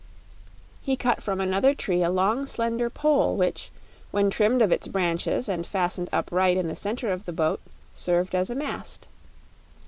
He cut from another tree a long, slender pole which, when trimmed of its branches and fastened upright in the center of the boat, served as a mast.